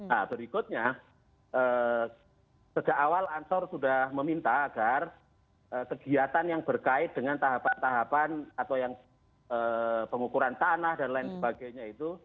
nah berikutnya sejak awal ansor sudah meminta agar kegiatan yang berkait dengan tahapan tahapan atau yang pengukuran tanah dan lain sebagainya itu